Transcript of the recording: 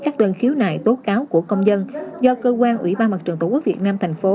các đơn khiếu nại tố cáo của công dân do cơ quan ủy ban mặt trận tổ quốc việt nam thành phố